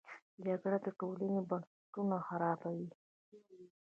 جګړه د ټولنې بنسټونه خرابوي